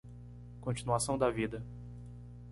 Continuação da vida